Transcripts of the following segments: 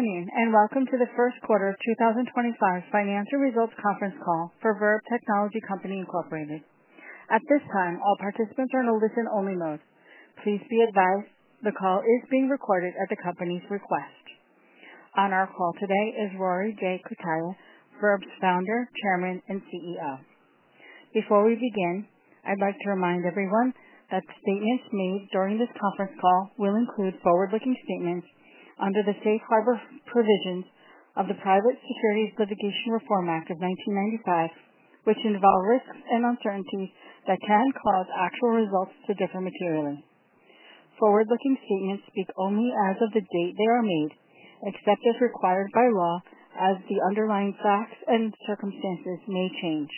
Good evening and welcome to the first quarter of 2025 Financial Results Conference call for TON Strategy Company. At this time, all participants are in a listen-only mode. Please be advised the call is being recorded at the company's request. On our call today is Rory J. Cutaia, TON's founder, chairman, and CEO. Before we begin, I'd like to remind everyone that the statements made during this conference call will include forward-looking statements under the Safe Harbor provisions of the Private Securities Litigation Reform Act of 1995, which involve risks and uncertainties that can cause actual results to differ materially. Forward-looking statements speak only as of the date they are made, except as required by law, as the underlying facts and circumstances may change.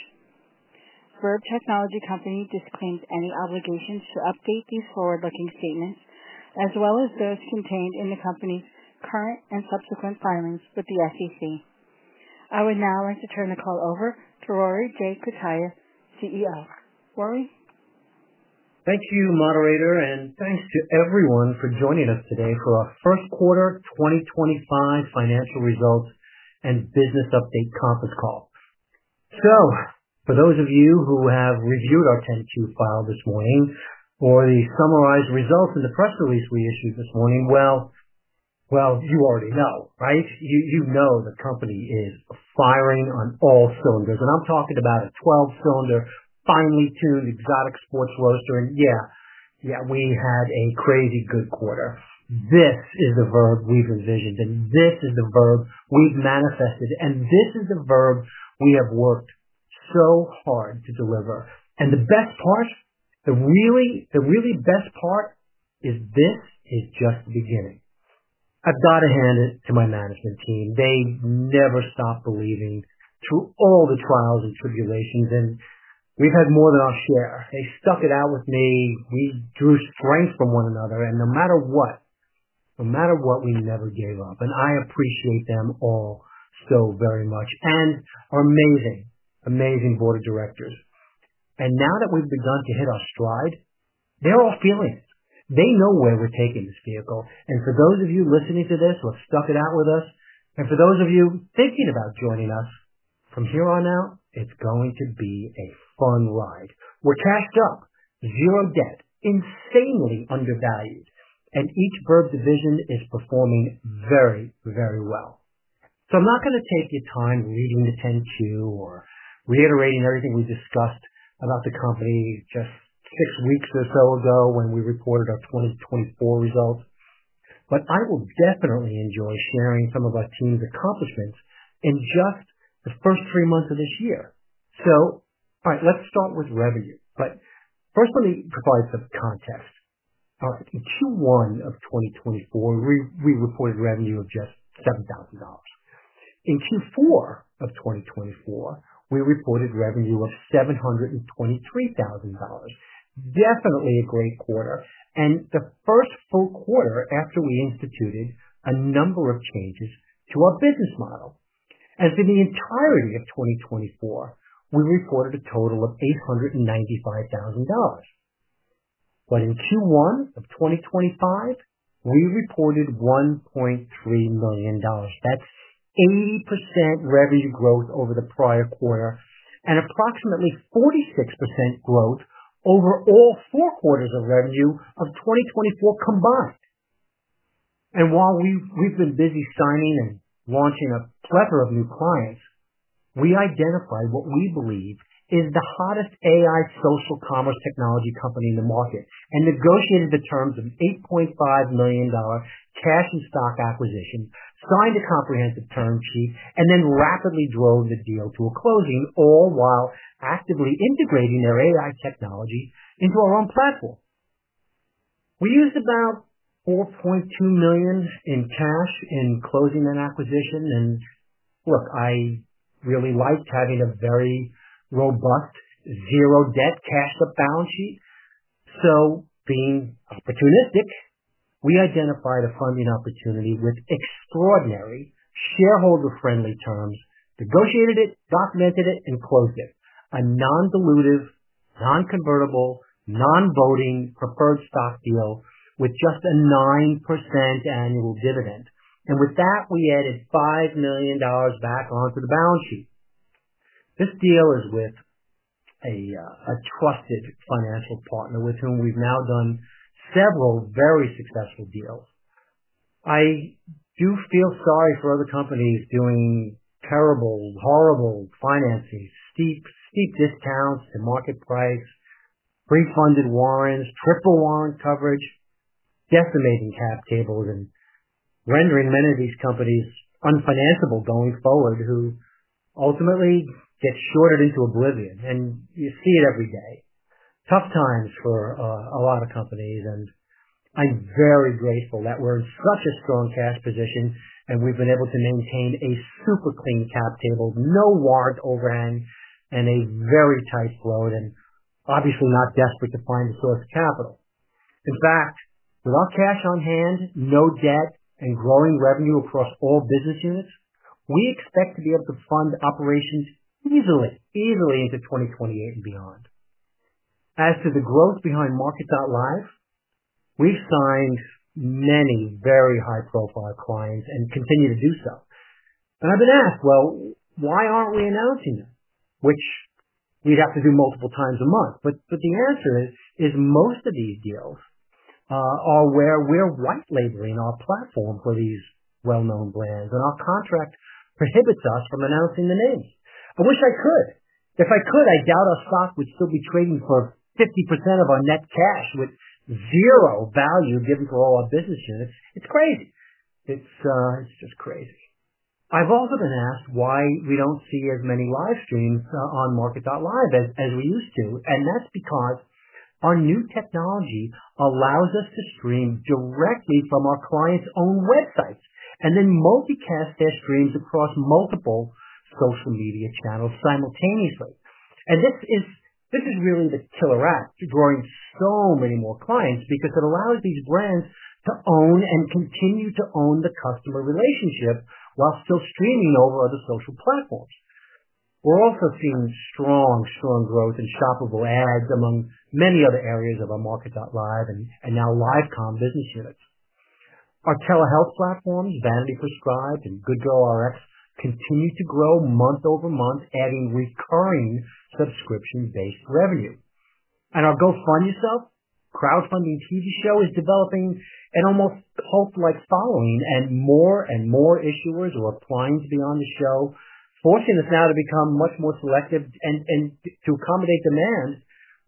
Verb Technology Company disclaims any obligations to update these forward-looking statements, as well as those contained in the company's current and subsequent filings with the SEC. I would now like to turn the call over to Rory J. Cutaia, CEO. Rory? Thank you, Operator, and thanks to everyone for joining us today for our first quarter 2025 financial results and business update conference call. For those of you who have reviewed our 10-2 file this morning or the summarized results and the press release we issued this morning, you already know, right? You know the company is firing on all cylinders, and I'm talking about a 12-cylinder, finely tuned exotic sports roadster. Yeah, we had a crazy good quarter. This is the TON Strategy Company we've envisioned, and this is the TON Strategy Company we've manifested, and this is the TON Strategy Company we have worked so hard to deliver. The best part, the really best part is this is just the beginning. I've got to hand it to my management team. They never stopped believing through all the trials and tribulations, and we've had more than our share. They stuck it out with me. We drew strength from one another, and no matter what, we never gave up. I appreciate them all so very much and our amazing, amazing board of directors. Now that we've begun to hit our stride, they're all feeling it. They know where we're taking this vehicle. For those of you listening to this who have stuck it out with us, and for those of you thinking about joining us, from here on out, it's going to be a fun ride. We're cashed up, zero debt, insanely undervalued, and each TON Strategy Company division is performing very, very well. I'm not going to take your time reading the 10-2 or reiterating everything we discussed about the company just six weeks or so ago when we reported our 2024 results. I will definitely enjoy sharing some of our team's accomplishments in just the first three months of this year. All right, let's start with revenue. First, let me provide some context. In Q1 of 2024, we reported revenue of just $7,000. In Q4 of 2024, we reported revenue of $723,000. Definitely a great quarter, and the first full quarter after we instituted a number of changes to our business model. For the entirety of 2024, we reported a total of $895,000. In Q1 of 2025, we reported $1.3 million. That's 80% revenue growth over the prior quarter and approximately 46% growth over all four quarters of revenue of 2024 combined. While we've been busy signing and launching a plethora of new clients, we identified what we believe is the hottest AI social commerce technology company in the market and negotiated the terms of an $8.5 million cash and stock acquisition, signed a comprehensive term sheet, and then rapidly drove the deal to a closing, all while actively integrating their AI technology into our own platform. We used about $4.2 million in cash in closing that acquisition. Look, I really liked having a very robust zero-debt cash-up balance sheet. Being opportunistic, we identified a funding opportunity with extraordinary shareholder-friendly terms, negotiated it, documented it, and closed it. A non-dilutive, non-convertible, non-voting preferred stock deal with just a 9% annual dividend. With that, we added $5 million back onto the balance sheet. This deal is with a trusted financial partner with whom we've now done several very successful deals. I do feel sorry for other companies doing terrible, horrible financing, steep, steep discounts to market price, pre-funded warrants, triple warrant coverage, decimating cap tables, and rendering many of these companies unfinanceable going forward, who ultimately get shorted into oblivion. You see it every day. Tough times for a lot of companies, and I'm very grateful that we're in such a strong cash position and we've been able to maintain a super clean cap table, no warrants overhang, and a very tight float, and obviously not desperate to find the source of capital. In fact, with our cash on hand, no debt, and growing revenue across all business units, we expect to be able to fund operations easily, easily into 2028 and beyond. As to the growth behind Market.live, we've signed many very high-profile clients and continue to do so. I've been asked, well, why aren't we announcing them? You'd have to do multiple times a month. The answer is most of these deals are where we're white-labeling our platform for these well-known brands, and our contract prohibits us from announcing the names. I wish I could. If I could, I doubt our stock would still be trading for 50% of our net cash with zero value given for all our business units. It's crazy. It's just crazy. I've also been asked why we don't see as many live streams on Market.live as we used to, and that's because our new technology allows us to stream directly from our clients' own websites and then multicast their streams across multiple social media channels simultaneously. This is really the killer act, drawing so many more clients because it allows these brands to own and continue to own the customer relationship while still streaming over other social platforms. We are also seeing strong, strong growth in shoppable ads among many other areas of our Market.live and now LiveCom business units. Our telehealth platform, Bandicoot Stripe, and GoodGoRx continue to grow month over month, adding recurring subscription-based revenue. Our GoFundMe stuff, crowdfunding TV show, is developing an almost Hulk-like following, and more and more issuers are applying to be on the show. Fortune has now become much more selective and to accommodate demands.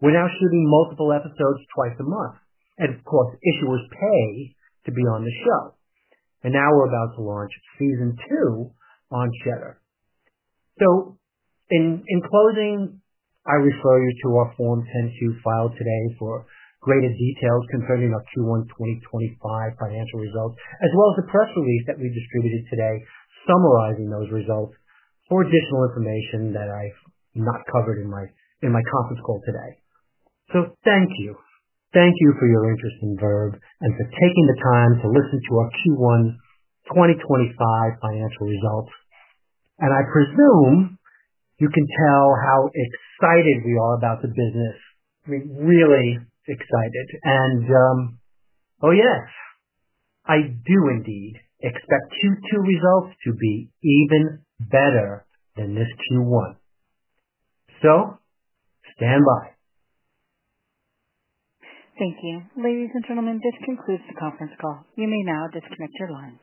We are now streaming multiple episodes twice a month. Of course, issuers pay to be on the show. We are about to launch season two on Cheddar. In closing, I refer you to our form 10-Q filed today for greater details concerning our Q1 2025 financial results, as well as the press release that we distributed today summarizing those results for additional information that I have not covered in my conference call today. Thank you. Thank you for your interest in TON Strategy Company and for taking the time to listen to our Q1 2025 financial results. I presume you can tell how excited we are about the business. We are really excited. Oh yes, I do indeed expect Q2 results to be even better than this Q1. Stand by. Thank you. Ladies and gentlemen, this concludes the conference call. You may now disconnect your lines.